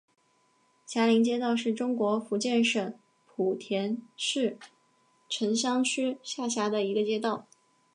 霞林街道是中国福建省莆田市城厢区下辖的一个街道。